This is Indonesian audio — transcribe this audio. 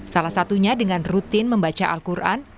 salah satunya dengan rutin membaca al quran